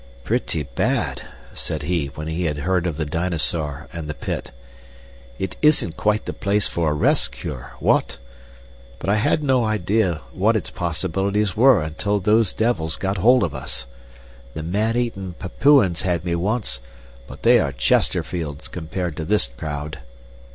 "Pretty bad," said he, when he had heard of the dinosaur and the pit. "It isn't quite the place for a rest cure. What? But I had no idea what its possibilities were until those devils got hold of us. The man eatin' Papuans had me once, but they are Chesterfields compared to this crowd."